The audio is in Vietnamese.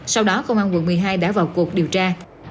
sau đó công an quận một mươi hai đã vào cuộc điều tra